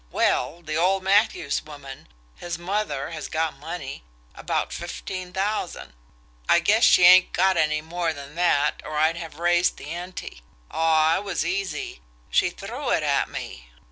Well, the old Matthews woman, his mother, has got money about fifteen thousand. I guess she ain't got any more than that, or I'd have raised the ante. Aw, it was easy. She threw it at me.